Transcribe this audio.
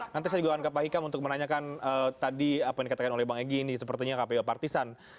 nanti saya juga akan ke pak hikam untuk menanyakan tadi apa yang dikatakan oleh bang egy ini sepertinya kpu partisan